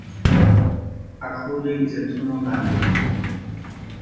Acoli is a tonal language.